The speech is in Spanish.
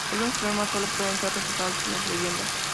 Algunos problemas solo pueden ser resueltos por las Leyendas.